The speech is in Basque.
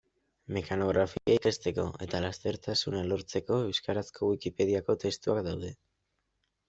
Mekanografia ikasteko eta lastertasuna lortzeko euskarazko Wikipediako testuak daude.